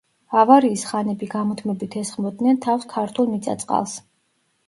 ავარიის ხანები გამუდმებით ესხმოდნენ თავს ქართულ მიწა-წყალს.